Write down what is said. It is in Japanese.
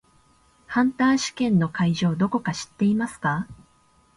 ハンター試験の会場どこか知っていますか？